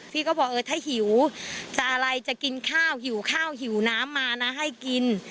พี่ก็บอกเออถ้าหิวจะอะไรจะกินข้าวหิวข้าวหิวน้ำมานะให้กิน